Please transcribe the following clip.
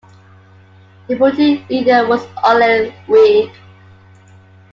Deputy leader was Ole Wiig.